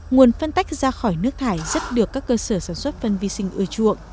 nguồn phân tách ra khỏi nước thải rất được các cơ sở sản xuất phân vi sinh ưa chuộng